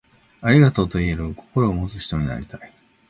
ありがとう、と言える心を持つ人になりたい。